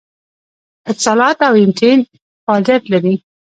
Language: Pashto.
اتصالات او ایم ټي این فعالیت لري